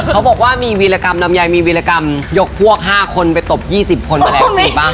ต้องบอกว่ามีวิรกรรมนำยายมีวิรกรรมยกพวก๕คนไปตบ๒๐คนแหละจริงป่ะ